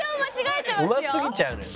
うますぎちゃうのよ。